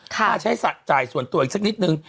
มาใช้จ่ายส่วนตัวอีกสักนิดนึง